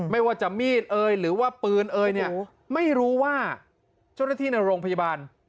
ไม่ว่าจะมีดเอ่ยหรือว่าปืนเอ่ยเนี่ยไม่รู้ว่าเจ้าหน้าที่ในโรงพยาบาล